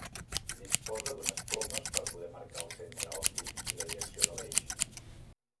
Disposa d'unes plomes per poder marcar el centre òptic i la direcció de l'eix.